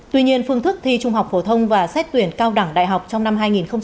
tuy nhiên phương thức thi trung học phổ thông và xét tuyển cao đẳng đại học trong năm hai nghìn hai mươi